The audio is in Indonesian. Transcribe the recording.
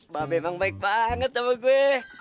babe emang baik banget sama gue